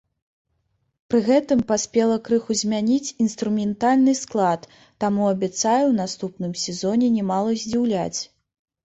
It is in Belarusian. Пры гэтым паспела крыху змяніць інструментальны склад, таму абяцае ў наступным сезоне нямала здзіўляць.